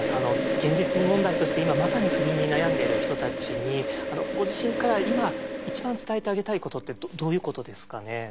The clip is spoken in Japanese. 現実問題として今まさに不妊に悩んでいる人たちにご自身から今一番伝えてあげたいことってどういうことですかね？